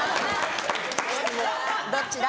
どっちだ？